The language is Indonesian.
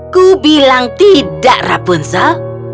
ku bilang tidak rapunzel